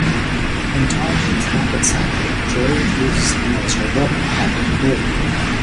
When Tom meets Hackensacker, Gerry introduces him as her brother, Captain McGlue.